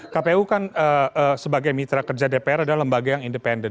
kpu kan sebagai mitra kerja dpr adalah lembaga yang independen